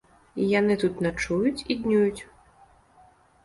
Яны тут начуюць і днююць.